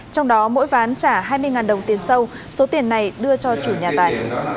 trong đó mỗi ván trả hai mươi đồng tiền sâu số tiền này đưa cho chủ nhà tài